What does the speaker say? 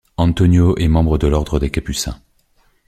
Antonio est membre de l'ordre des capucins.